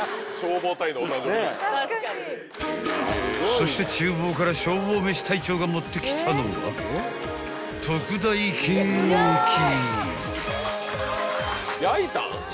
［そして厨房から消防めし隊長が持ってきたのは特大ケーキ］